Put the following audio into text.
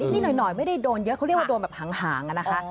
นี่หน่อยไม่ได้โดนเยอะเขาเรียกว่าโดนแบบหางอะนะคะ